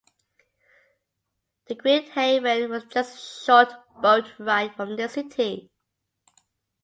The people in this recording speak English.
Green Haven was just a short boat ride from the city.